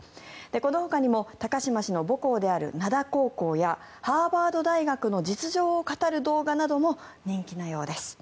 このほかにも高島氏の母校である灘高校やハーバード大学の実情を語る動画なども人気なようです。